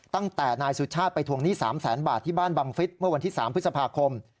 ตั้งแต่นายสุชาติไปทวงหนี้๓แสนบาทที่บ้านบังฟิศเมื่อวันที่๓พฤษภาคม